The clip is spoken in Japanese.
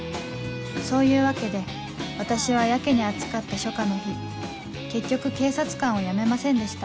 そういうわけで私はやけに暑かった初夏の日結局警察官を辞めませんでした